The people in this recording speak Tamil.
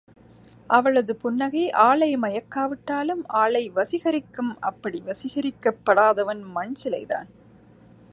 அவளது புன்னகை ஆளை மயக்கா விட்டாலும் ஆளை வசிகரிக்கும் அப்படி வசீகரிக்ப் படாதவன் மண் சிலை தான்.